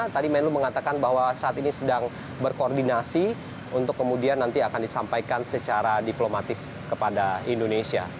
tadi menlu mengatakan bahwa saat ini sedang berkoordinasi untuk kemudian nanti akan disampaikan secara diplomatis kepada indonesia